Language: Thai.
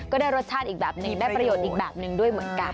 ก็ได้รสชาติอีกแบบหนึ่งได้ประโยชน์อีกแบบนึงด้วยเหมือนกัน